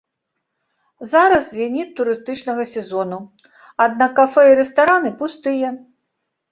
Зараз зеніт турыстычнага сезону, аднак кафэ і рэстараны пустыя.